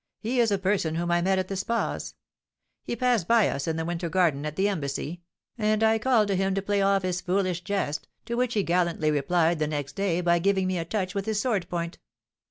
He is a person whom I met at the Spas; he passed by us in the winter garden at the embassy, and I called to him to play off this foolish jest, to which he gallantly replied the next day by giving me a touch with his sword point.